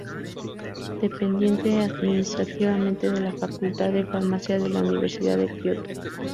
Dependiente administrativamente de la facultad de farmacia de la Universidad de Kioto.